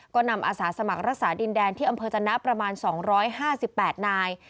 ก็นำอาสาสมรสาดินแดนที่อำเภอจันทร์ประมาณ๒๕๘นาย